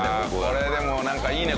これでもなんかいいね。